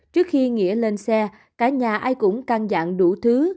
trước khi nghĩa lên xe cả nhà ai cũng căng dạng đủ thứ